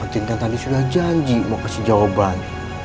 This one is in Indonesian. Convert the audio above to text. tin kan tadi sudah janji mau kasih jawaban